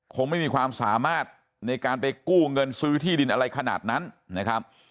คงไม่มีความสามารถในการไปกู้เงินซื้อที่ดินอะไรขนาดนั้นนะครับ